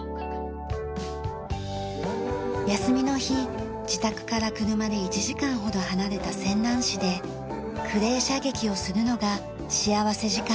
休みの日自宅から車で１時間ほど離れた泉南市でクレー射撃をするのが幸福時間です。